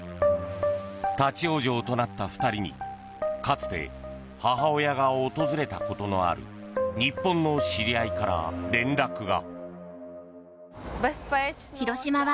立ち往生となった２人にかつて母親が訪れたことのある日本の知り合いから連絡が。